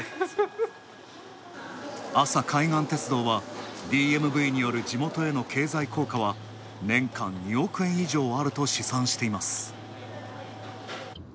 阿佐海岸鉄道は、ＤＭＶによる地元への経済効果は年間２億円以上あると試算しています。